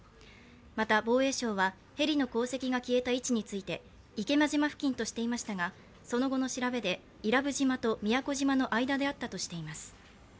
また防衛省はヘリの航跡が消えた位置について池間島付近としていましたがその後の調べで伊良部島と宮古島の間であったとしています。